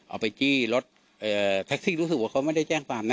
เอาไปจี้รถแท็กซี่รู้สึกว่าเขาไม่ได้แจ้งความนะ